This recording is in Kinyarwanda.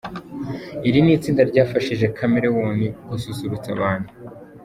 Iri ni itsinda ryafashije Chameleone gususurutsa abantu.